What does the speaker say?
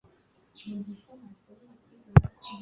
abandi na bo bari bateraniye mu buvumo bwari hafi aho